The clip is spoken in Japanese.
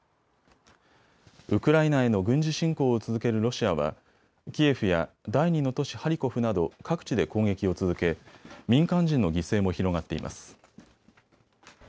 ウクライナへの軍事侵攻を続けるロシアはキエフや第２の都市ハリコフなど、各地で攻撃を続け民間人の犠牲も広がっています。